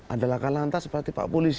adalah kalantas berarti pak polisi